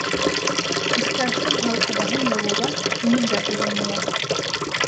Киске аштың һауыт-һабаһын йыуыуға, минең дә күҙ йомола.